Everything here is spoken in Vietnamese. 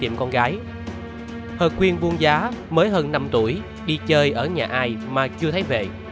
mới hơn năm tuổi đi chơi ở nhà ai mà chưa thấy về